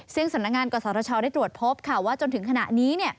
ซึ่งสำนักงานกศชได้ตรวจพบค่ะว่าจนถึงขณะนี้